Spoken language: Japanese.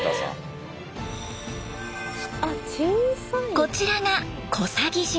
こちらが小佐木島。